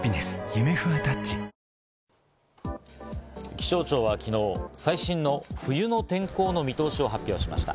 気象庁は昨日、最新の冬の天候の見通しを発表しました。